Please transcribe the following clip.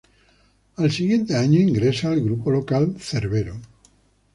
Al siguiente año ingresa al grupo local Cerbero.